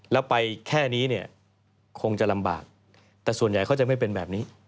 แล้วไปแค่นี้เนี่ยคงจะลำบากแต่ส่วนใหญ่เขาจะไม่เป็นแบบนี้